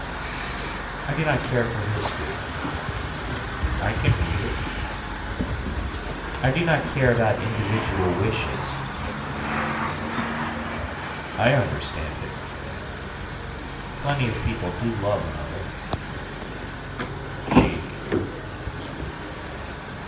I do not care for history. I can read it. I do not care about individual wishes. I understand it. Plenty of people do love another. She.